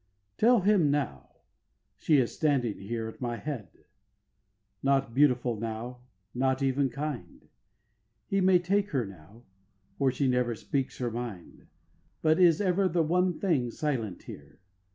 7. Tell him now: she is standing here at my head; Not beautiful now, not even kind; He may take her now; for she never speaks her mind, But is ever the one thing silent here.